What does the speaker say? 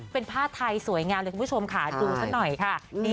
เป็นผ้าไทยสวยงามเลยคุณผู้ชมค่ะดูซะหน่อยค่ะ